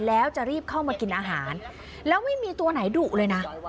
แล้วจะรีบเข้ามากินอาหารแล้วไม่มีตัวไหนดุเลยนะ